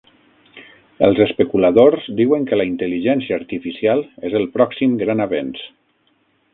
Els especuladors diuen que la intel·ligència artificial és el pròxim gran avenç.